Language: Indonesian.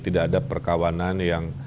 tidak ada perkawanan yang